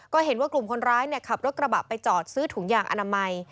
ก็เห็นว่ากลุ่มคนร้ายขับรถกระบะไปจอดซื้อถุงยางอนามัย